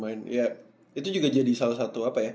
itu juga jadi salah satu apa ya